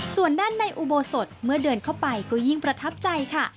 ส่วนด้านในอุโบสถเมื่อเดินเข้าไปก็ยิ่งประทับใจค่ะ